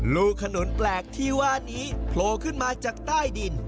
ลูกขนุนแปลกที่ว่านี้โผล่ขึ้นมาจากใต้ดิน